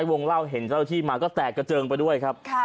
วงเล่าเห็นเจ้าหน้าที่มาก็แตกกระเจิงไปด้วยครับ